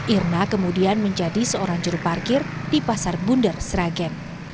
irna kemudian menjadi seorang juru parkir di pasar bunder sragen